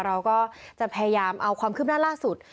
เราก็จะพยายามเอาความคืบหน้าล่าสุด